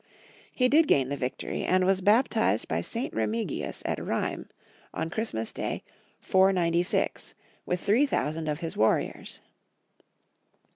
He did gain the victory, and was bap tized by St. Remigius at Rheims, on Christmas Day, 496, with three thousand of his warriors.